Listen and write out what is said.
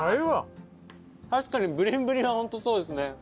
確かにブリブリは本当そうですね。